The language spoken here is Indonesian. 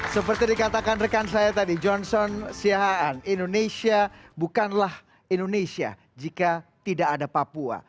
seperti dikatakan rekan saya tadi johnson siahaan indonesia bukanlah indonesia jika tidak ada papua